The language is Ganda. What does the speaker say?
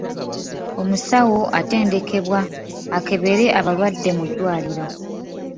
Omusawo atendekebwa akebera abalwadde mu ddwaliro.